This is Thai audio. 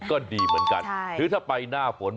ก็ดีเหมือนกันหรือถ้าไปหน้าฝน